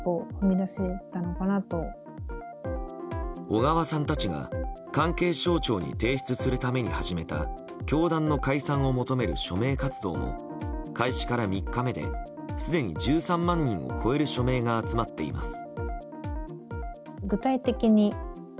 小川さんたちが関係省庁に提出するために始めた教団の解散を求める署名活動も開始から３日目ですでに１３万人を超える署名が集まっています。